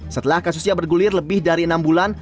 setelah kasusnya bergulir lebih dari enam bulan